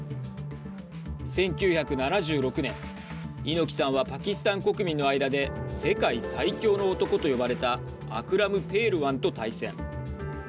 １９７６年猪木さんはパキスタン国民の間で世界最強の男と呼ばれたアクラム・ペールワンと対戦。